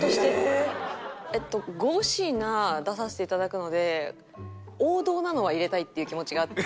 ５品出させていただくので王道なのは入れたいっていう気持ちがあって。